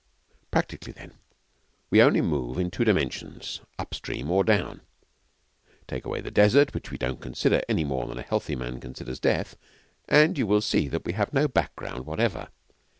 Practically, then, we only move in two dimensions up stream or down. Take away the Desert, which we don't consider any more than a healthy man considers death, and you will see that we have no background whatever.